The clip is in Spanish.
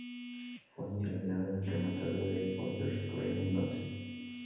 Fue incinerado en el crematorio de Golders Green en Londres.